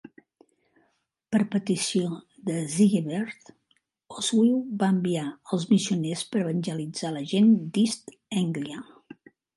Per petició de Sigeberht, Oswiu va enviar els missioners per evangelitzar la gent d'East Anglia.